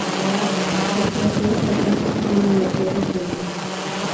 cooperativas que apuestan por una energía sostenible